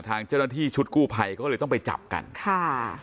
ทางเจ้าหน้าที่ชุดกู้ภัยเขาก็เลยต้องไปจับกันค่ะ